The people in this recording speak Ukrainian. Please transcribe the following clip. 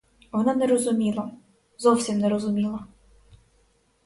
Вона не розуміла, зовсім не розуміла.